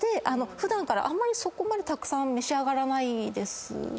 普段からあんまりそこまでたくさん召し上がらないですかね？